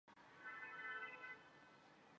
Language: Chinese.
中国乡镇的农机站是类似的机构。